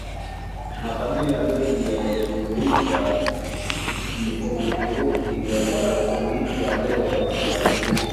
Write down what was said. Makabila mengi yanayozungumza Kituruki ambayo huitwa leo Waturuki